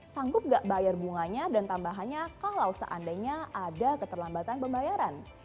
sanggup gak bayar bunganya dan tambahannya kalau seandainya ada keterlambatan pembayaran